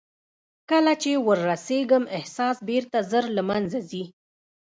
کله چې ور رسېږم احساس بېرته ژر له منځه ځي.